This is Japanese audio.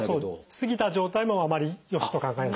過ぎた状態もあまりよしと考えない。